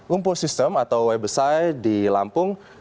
umpul sistem atau wbsi di lampung